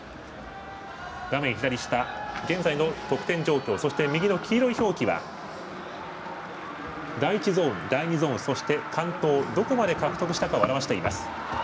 画面左下、現在の得点状況そして、右の黄色い表記が第１ゾーン、第２ゾーンそして、完登どこまで獲得したかを表しています。